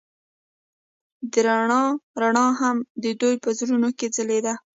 د رڼا رڼا هم د دوی په زړونو کې ځلېده.